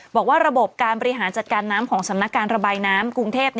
บอกว่าระบบการบริหารจัดการน้ำของสำนักการระบายน้ำกรุงเทพ